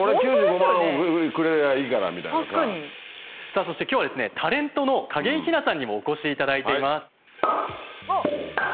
さあそして今日はタレントの景井ひなさんにもお越しいただいています。